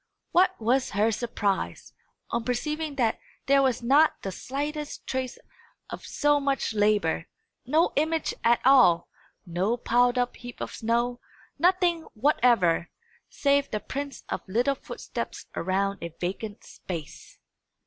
What was her surprise, on perceiving that there was not the slightest trace of so much labour! no image at all no piled up heap of snow nothing whatever, save the prints of little footsteps around a vacant space!